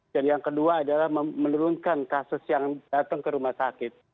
dan yang kedua adalah menurunkan kasus yang datang ke rumah sakit